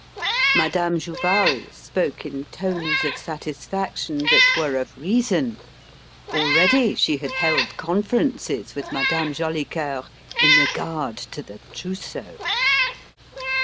Madame Jouval spoke in tones of satisfaction that were of reason already she had held conferences with Madame Jolicoeur in regard to the trousseau.